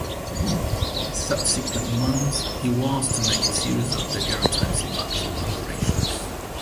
In subsequent months he was to make a series of daguerrotypes of actual operations.